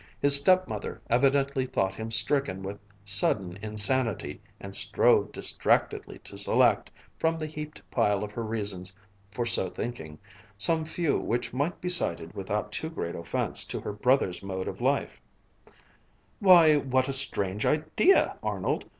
His stepmother evidently thought him stricken with sudden insanity and strove distractedly to select, from the heaped pile of her reasons for so thinking, some few which might be cited without too great offense to her brother's mode of life: "Why, what a strange idea, Arnold!